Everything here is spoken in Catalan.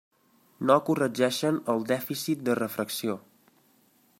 No corregeixen el dèficit de refracció.